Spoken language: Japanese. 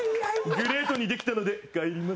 グレートにできたので帰ります。